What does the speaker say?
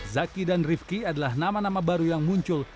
zaki dan rifki adalah nama nama baru yang muncul